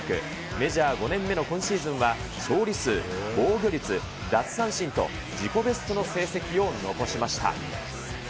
メジャー５年目の今シーズンは、勝利数、防御率、奪三振と、自己ベストの成績を残しました。